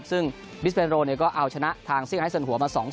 ซึ่งบิสเบนโลก็เอาชนะทางซิกไอศัลหัวมา๒๐